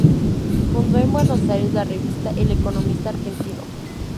Fundó en Buenos Aires la revista ""El economista argentino"".